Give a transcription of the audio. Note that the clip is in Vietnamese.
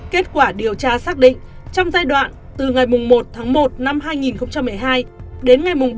kết quả điều tra xác định trong giai đoạn từ ngày một một hai nghìn một mươi hai đến ngày bảy một mươi hai nghìn hai mươi hai